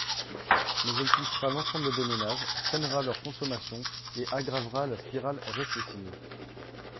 Mais elle touchera l’ensemble des ménages, freinera leur consommation et aggravera la spirale récessive.